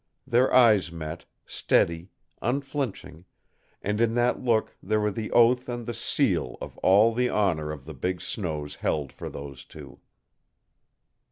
Their eyes met, steady, unflinching, and in that look there were the oath and the seal of all that the honor of the big snows held for those two.